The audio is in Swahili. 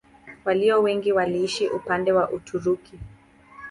Walio wengi waliishi upande wa Uturuki.